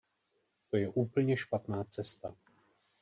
To je úplně špatná cesta.